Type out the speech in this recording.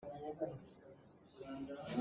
Kan tipaih a ping.